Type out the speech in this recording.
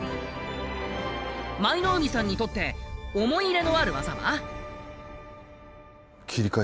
舞の海さんにとって思い入れのある技は？